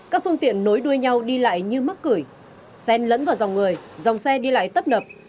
các phương tiện nối đuôi nhau đi lại như mức cửi xen lẫn vào dòng người dòng xe đi lại tấp nập